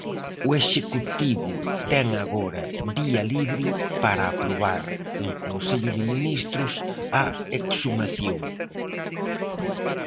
O executivo ten agora vía libre para aprobar en Consello de Ministros a exhumación.